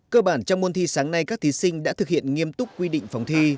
cơ bản trong môn thi sáng nay các thí sinh đã thực hiện nghiêm túc quy định phòng thi